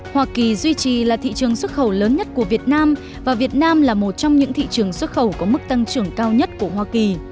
hoa kỳ duy trì là thị trường xuất khẩu lớn nhất của việt nam và việt nam là một trong những thị trường xuất khẩu có mức tăng trưởng cao nhất của hoa kỳ